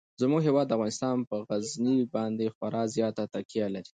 زموږ هیواد افغانستان په غزني باندې خورا زیاته تکیه لري.